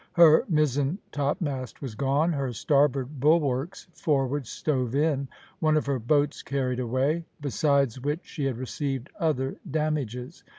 Her mizen topmast was gone, her starboard bulwarks forward stove in, one of her boats carried away; besides which she had received other damages.